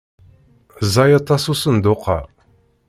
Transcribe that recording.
Ẓẓay aṭas usenduq-a.